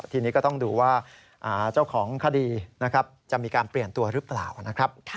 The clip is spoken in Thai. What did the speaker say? ทีนี้ก็ต้องดูว่าเจ้าของคดีนะครับจะมีการเปลี่ยนตัวหรือเปล่านะครับ